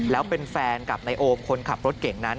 แล้วเป็นแฟนกับนายโอมคนขับรถเก่งนั้น